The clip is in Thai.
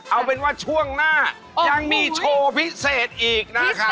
เอาเป็นว่าช่วงหน้ายังมีโชว์พิเศษอีกนะครับ